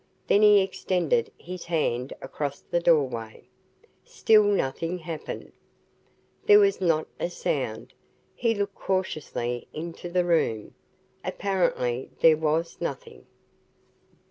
Then he extended his hand across the doorway. Still nothing happened. There was not a sound. He looked cautiously into the room. Apparently there was nothing.